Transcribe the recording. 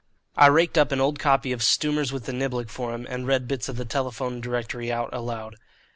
I raked up an old copy of Stumers with the Niblick for him, and read bits of the Telephone Directory out aloud.